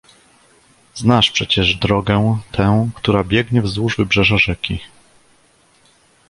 "Znasz przecież drogę tę, która biegnie wzdłuż wybrzeża rzeki."